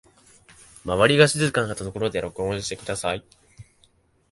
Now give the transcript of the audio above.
周りが静かなところで録音してください